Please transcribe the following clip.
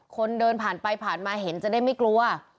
คนเดินผ่านไปผ่านมาเห็นจะได้ไม่กลัว